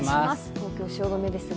東京・汐留ですが。